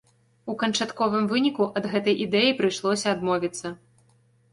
У канчатковым выніку, ад гэтай ідэі прыйшлося адмовіцца.